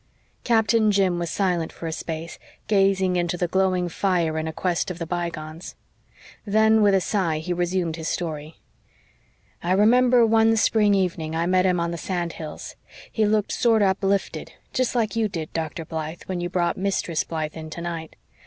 Captain Jim was silent for a space, gazing into the glowing fire in a quest of the bygones. Then, with a sigh, he resumed his story. "I remember one spring evening I met him on the sand hills. He looked sorter uplifted jest like you did, Dr. Blythe, when you brought Mistress Blythe in tonight.